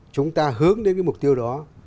chúng ta hướng đến cái mục tiêu đó